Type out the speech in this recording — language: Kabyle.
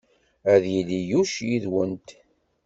Ad yili Yuc yid-went.